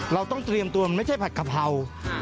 เราต้องเตรียมตัวมันไม่ใช่ผัดกะเพรา